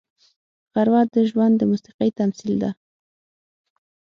غرمه د ژوند د موسیقۍ تمثیل ده